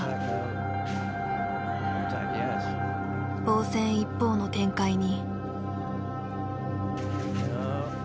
防戦一方の展開に。